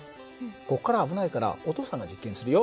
ここからは危ないからお父さんが実験するよ。